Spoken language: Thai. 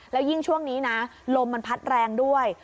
แล้วยิ่งช่วงนี้นะลมมันพัดแรงด้วย